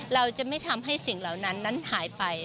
เราจะไม่ทำให้สิ่งเหล่านั้นนั้นหายไป